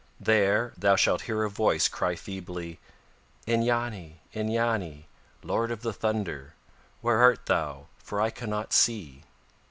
There thou shalt hear a voice cry feebly: "Inyani, Inyani, lord of the thunder, where art thou, for I cannot see?"